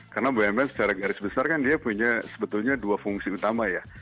karena bumn secara garis besar kan dia punya sebetulnya dua fungsi utama ya